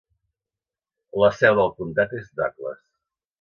La seu del comtat és Douglas.